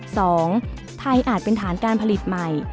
สองไทยอาจเป็นฐานการผลิตใหม่